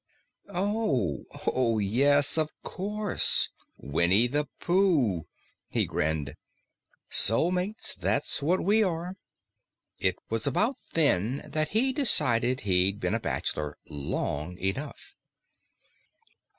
"Oh oh, yes, of course. Winnie the Pooh." He grinned. "Soulmates, that's what we are." It was about then that he decided he'd been a bachelor long enough.